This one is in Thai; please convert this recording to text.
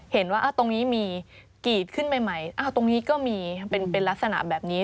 เห็นว่าตรงนี้มีกรีดขึ้นใหม่ตรงนี้ก็มีเป็นลักษณะแบบนี้